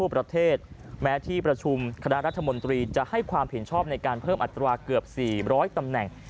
ประเทศแม้ที่ประชุมคณะรัฐมนตรีจะให้ความเห็นชอบในการเพิ่มอัตราเกือบ๔๐๐ตำแหน่ง